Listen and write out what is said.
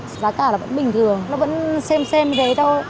giá cả là vẫn bình thường nó vẫn xem xem thế thôi